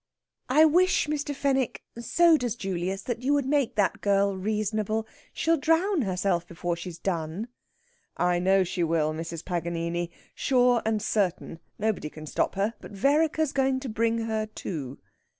"I wish, Mr. Fenwick (so does Julius) that you would make that girl reasonable. She'll drown herself before she's done." "I know she will, Mrs. Paganini. Sure and certain! Nobody can stop her. But Vereker's going to bring her to."